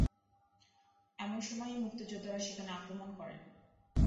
এমন সময়ই মুক্তিযোদ্ধারা সেখানে আক্রমণ করেন।